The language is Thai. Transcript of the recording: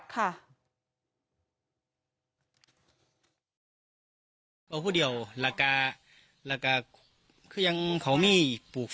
ตอนนี้เพื่อนบ้านก็เลยแจ้งความเอาไว้ก่อนนะครับตอนนี้เพื่อนบ้านก็เลยแจ้งความเอาไว้ก่อนนะครับ